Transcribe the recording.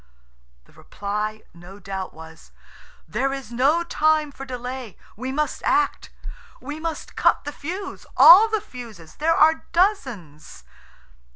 The reply no doubt was, "There is no time for delay; we must act. We must cut the fuse–all the fuses; there are dozens."